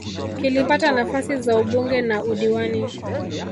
kilipata nafasi za ubunge na udiwani